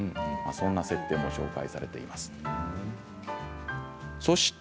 そんな設定も紹介されています。